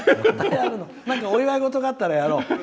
お祝い事があったらやろう。